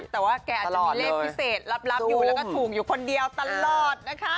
แต่ว่าแกอาจจะมีเลขพิเศษลับอยู่แล้วก็ถูกอยู่คนเดียวตลอดนะคะ